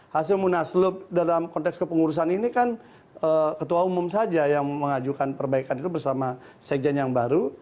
hasil munaslup dalam konteks kepengurusan ini kan ketua umum saja yang mengajukan perbaikan itu bersama sekjen yang baru